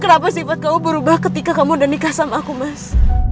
kenapa sifat kamu berubah ketika kamu udah nikah sama aku mas